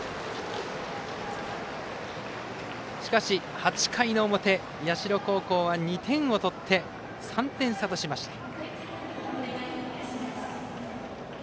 しかし、８回表の社高校は２点を取って、３点差としました。